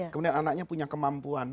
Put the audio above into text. kemudian anaknya punya kemampuan